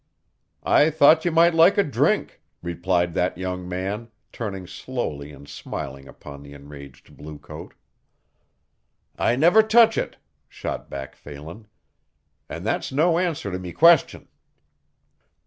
"I thought you might like a drink," replied that young man, turning slowly and smiling upon the enraged bluecoat. "I never touch it," shot back Phelan, "an' that's no answer to me question."